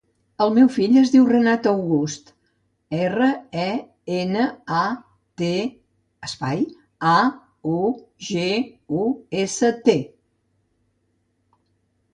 El meu fill es diu Renat August: erra, e, ena, a, te, espai, a, u, ge, u, essa, te.